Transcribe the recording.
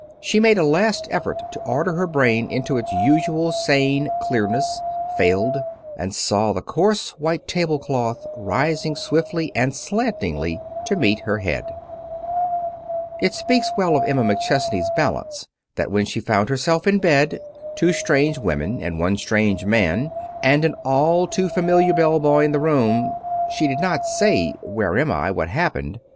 She made a last effort to order her brain into its usual sane clearness, failed, and saw the coarse white table cloth rising swiftly and slantingly to meet her head. [Illustration: "'Shut up, you blamed fool! Can't you see the lady's sick?'"] It speaks well for Emma McChesney's balance that when she found herself in bed, two strange women, and one strange man, and an all too familiar bell boy in the room, she did not say, "Where am I? What happened?"